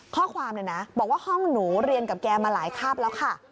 ข้อความเลยนะบอกว่าห้องหนูเรียนกับแกมาหลายคาบแล้วค่ะ